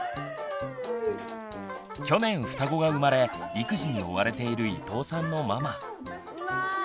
去年双子が生まれ育児に追われている伊藤さんのママ。